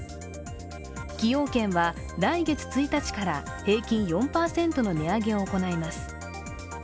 崎陽軒は来月１日から平均４％の値上げを行います。